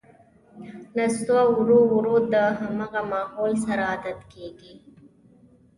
نستوه ورو ـ ورو د همغه ماحول سره عادت کېږي.